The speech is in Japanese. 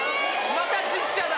また実写だ。